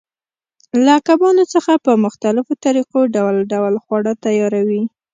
له کبانو څخه په مختلفو طریقو ډول ډول خواړه تیاروي.